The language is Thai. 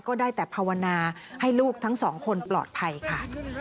ก็ได้แต่ภาวนาให้ลูกทั้งสองคนปลอดภัยค่ะ